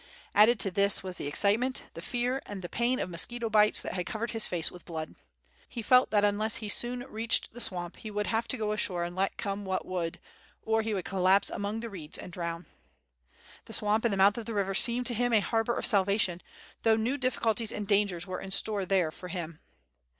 Added to this was the ex* citement, the fear, and the pain of mosquito bites that had covered his face with blood. He felt that unless he soon reached the swamp, he would have to go ashore let come what would, or he would collapse among the reeds and drown. The swamp and the mouth of the river seemed to him a harbor of salvation, though new difficulties and dangers were in store there for him.